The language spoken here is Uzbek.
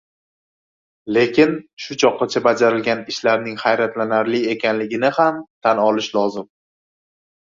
Lekin, shu choqqacha bajarilgan ishlarning hayratlanarli ekanligini ham tan olish lozim.